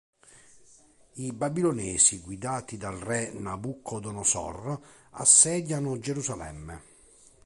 I Babilonesi, guidati dal re Nabucodonosor, assediano Gerusalemme.